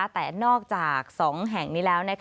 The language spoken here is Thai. แต่นอกจาก๒แห่งนี้แล้ว